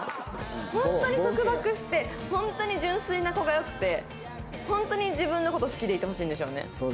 本当に束縛して本当に純粋な子が良くて本当に自分の事好きでいてほしいんでしょうね。